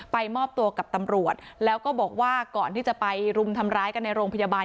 มอบตัวกับตำรวจแล้วก็บอกว่าก่อนที่จะไปรุมทำร้ายกันในโรงพยาบาล